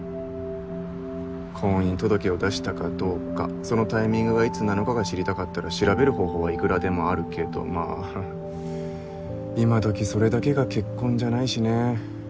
婚姻届を出したかどうかそのタイミングがいつなのかが知りたかったら調べる方法はいくらでもあるけどまあははっ今どきそれだけが結婚じゃないしね。